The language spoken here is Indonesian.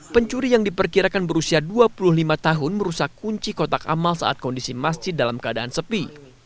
pencuri yang diperkirakan berusia dua puluh lima tahun merusak kunci kotak amal saat kondisi masjid dalam keadaan sepi